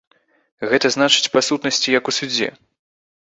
Гэта значыць, па сутнасці, як у судзе.